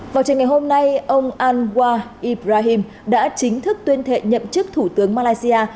vào trình ngày hôm nay ông anwar ibrahim đã chính thức tuyên thệ nhậm chức thủ tướng malaysia